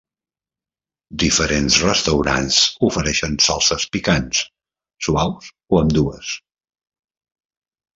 Diferents restaurants ofereixen salses picants, suaus o ambdues.